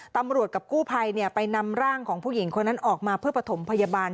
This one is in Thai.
ตำรวจกับกู้ภัยไปนำร่างของผู้หญิงคนนั้นออกมาเพื่อประถมพยาบาล